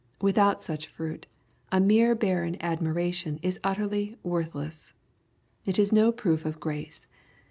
Without such fruit, a mere barren admiration is utterly worthless. It is no proof of grace.